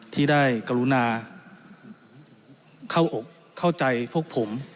ที่ได้กรุณาเข้าใจพวกผม